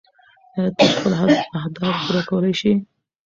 ایا ته خپل اهداف پوره کولی شې؟